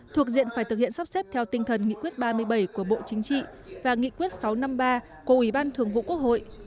thuộc diện phải thực hiện sắp xếp theo tinh thần nghị quyết ba mươi bảy của bộ chính trị và nghị quyết sáu trăm năm mươi ba của ủy ban thường vụ quốc hội